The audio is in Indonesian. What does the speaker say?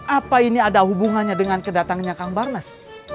apa ini ada hubungannya dengan kedatangannya kang barnas